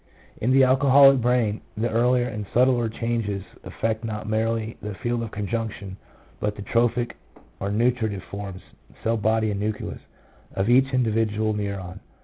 In the alcoholic brain, the earlier and subtler changes affect not merely the field of conjunction, but the trophic or nutritive forms (cell body and nucleus) of each individual neuron."